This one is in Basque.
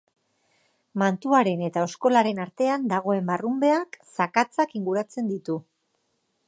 Mantuaren eta oskolaren artean dagoen barrunbeak zakatzak inguratzen ditu.